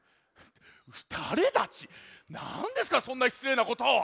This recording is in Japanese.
なんですかそんなしつれいなことを！